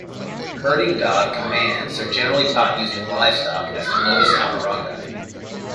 Herding dog commands are generally taught using livestock as the modus operandi.